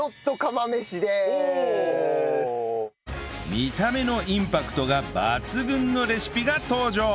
見た目のインパクトが抜群のレシピが登場！